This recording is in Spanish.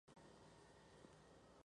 Pero la madre no lo acepta.